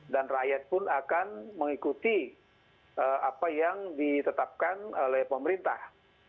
dan rakyat pun akan mengikuti apa yang ditetapkan oleh pemerintah